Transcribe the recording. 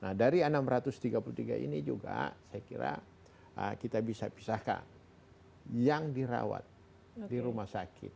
nah dari enam ratus tiga puluh tiga ini juga saya kira kita bisa pisahkan yang dirawat di rumah sakit